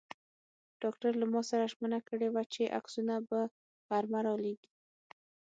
ډاکټر له ما سره ژمنه کړې وه چې عکسونه به غرمه را لېږي.